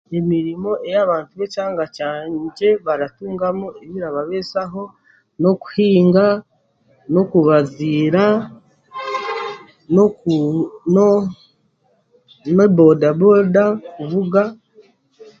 Emirimo ei abantu b'ekyanga kyanga kyangye erikubabeesaho n'okuhinga n'okubaaziira no noku neboodabooda kuvuga